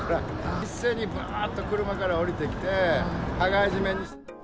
一斉にばーっと車から降りてきて、羽交い絞めに。